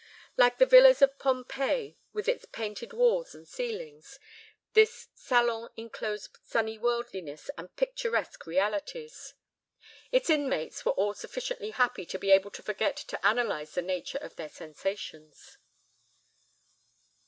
Like the villas of Pompeii, with its painted walls and ceilings, this salon enclosed sunny worldliness and picturesque realities. Its inmates were all sufficiently happy to be able to forget to analyze the nature of their sensations.